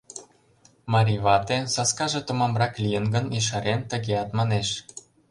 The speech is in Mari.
Марий вате, саскаже томамрак лийын гын, ешарен, тыгеат манеш: